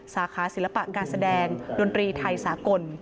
สาขาศิลปะการแสดงดนตรีไทยสากล